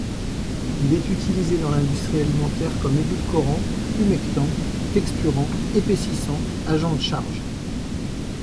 Il est utilisé dans l'industrie alimentaire comme édulcorant, humectant, texturant, épaississant, agent de charge.